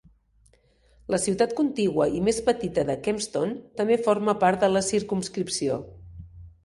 La ciutat contigua i més petita de Kempston també forma part de la circumscripció.